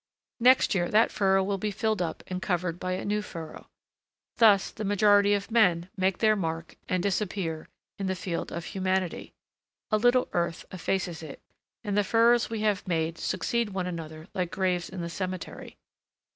Next year that furrow will be filled up and covered by a new furrow. Thus the majority of men make their mark and disappear in the field of humanity. A little earth effaces it, and the furrows we have made succeed one another like graves in the cemetery.